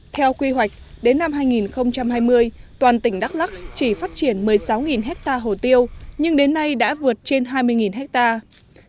theo quy hoạch đến năm hai nghìn hai mươi toàn tỉnh đắk lắc chỉ phát triển một mươi sáu hectare hồ tiêu nhưng đến nay đã vượt trên hai mươi hectare